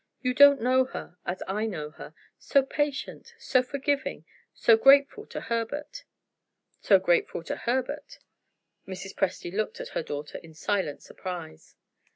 You don't know her, as I know her. So patient, so forgiving, so grateful to Herbert." "So grateful to Herbert." Mrs. Presty looked at her daughter in silent surprise.